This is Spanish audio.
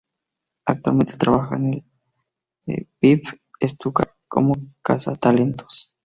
Actualmente, trabaja en el VfB Stuttgart como cazatalentos.